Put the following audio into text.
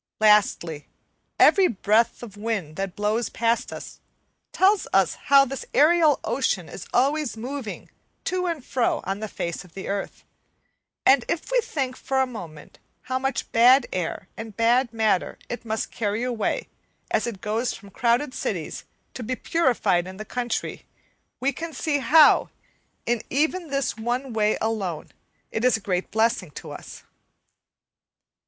Lastly, every breath of wind that blows past us tells us how this aerial ocean is always moving to and fro on the face of the earth; and if we think for a moment how much bad air and bad matter it must carry away, as it goes from crowded cities to be purified in the country, we can see how, in even this one way alone, it is a great blessing to us.